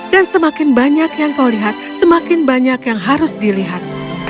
dan semakin banyak yang kau lihat semakin banyak yang harus dilihat